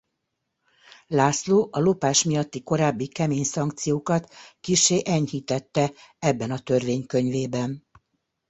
László a lopás miatti korábbi kemény szankciókat kissé enyhítette ebben a törvénykönyvében.